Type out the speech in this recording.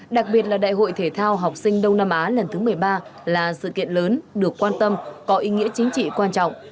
đặc biệt là đại hội thể thao học sinh đông nam á lần thứ một mươi ba là sự kiện lớn được quan tâm có ý nghĩa chính trị quan trọng